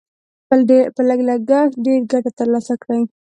په لږ لګښت ډېره ګټه تر لاسه کړئ.